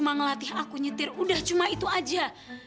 mas iras sendiri nggak cuma itu aja